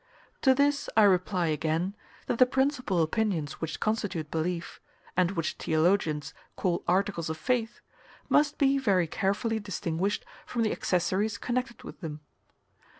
To this I reply again, that the principal opinions which constitute belief, and which theologians call articles of faith, must be very carefully distinguished from the accessories connected with them.